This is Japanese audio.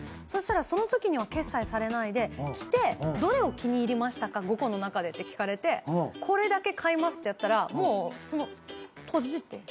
そしたらそのときには決済されないで着てどれを気に入りましたか５個の中でって聞かれてこれだけ買いますってやったら。